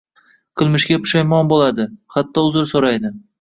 qilmishiga pushaymon bo‘ladi, hatto uzr so‘raydi.